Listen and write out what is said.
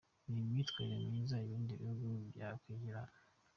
Ni imyitwarire myiza ibindi bihugu byakwigira hano.